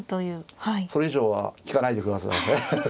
それ以上は聞かないでください。